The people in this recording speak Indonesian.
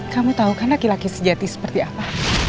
kamu tahu kan laki laki sejati seperti apa